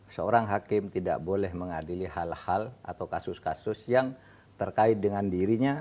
seorang hakim tidak boleh mengadili hal hal atau kasus kasus yang terkait dengan dirinya